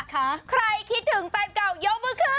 แฟนก้าวลหายคิดถึงแฟนเก่ายมหรือคือ